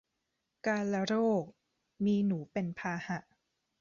กาฬโรค มีหนูเป็นพาหะ